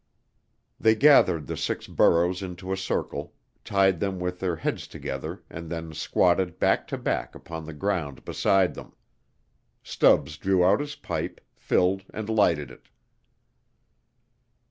They gathered the six burros into a circle, tied them with their heads together and then squatted back to back upon the ground beside them. Stubbs drew out his pipe, filled, and lighted it.